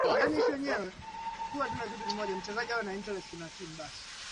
iendelea hapo awali nilizungumza na mwezangu edwin david deketela kuangazia mambo yakoje